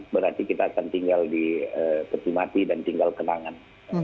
berarti kita akan tinggal di peti mati dan tinggal kenangan